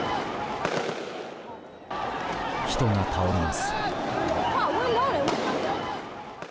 人が倒れます。